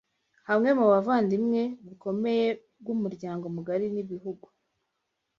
hamwe mu buvandimwe bukomeye bw’ umuryango mugari n’ibihugu